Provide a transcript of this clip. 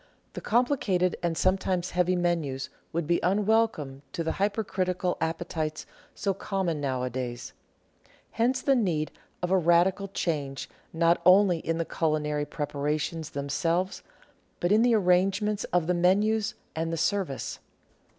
The complicated and sometimes heavy menus would be unwelcome to the hyper critical appetites so common nowadays; hence the need of a radical change not only in the culinary preparations themselves, but in the arrangements of the menus, and the service.